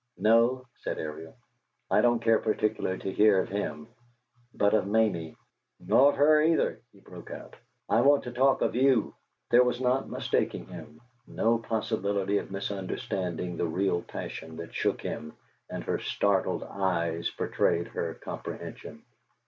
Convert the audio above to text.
"No," said Ariel. "I don't care particularly to hear of him, but of Mamie." "Nor of her, either!" he broke out. "I want to talk of you!" There was not mistaking him; no possibility of misunderstanding the real passion that shook him, and her startled eyes betrayed her comprehension.